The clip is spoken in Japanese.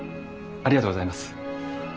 ありがとうございます。